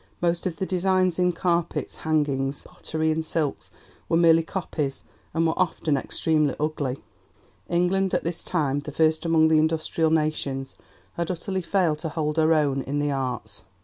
Most of the designs in carpets, hangings, pottery, and silks were merely copies, and were often extremely ugly. England, at this time the first among the Industrial Nations, had utterly failed to hold her own in the Arts.